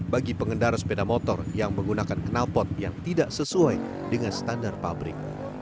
bagi pengendara sepeda motor yang menggunakan kenalpot yang tidak sesuai dengan standar pabrik